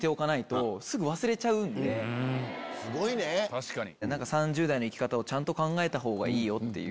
確かに。